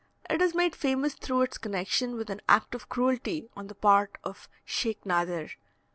It is made famous through its connection with an act of cruelty on the part of Sheikh Nadir.